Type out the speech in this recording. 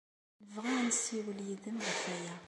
Nebɣa ad nessiwel yid-m ɣef waya.